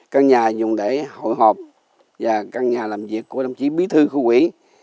căn nhà dùng để hội họp và căn nhà làm việc của đồng chí bí thư khu quỹ